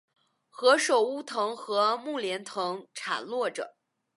何首乌藤和木莲藤缠络着